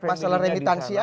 masalah remitansi aja